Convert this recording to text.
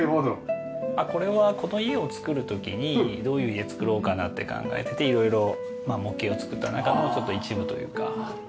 これはこの家を造る時にどういう家造ろうかなって考えてて色々模型を作った中のちょっと一部というか。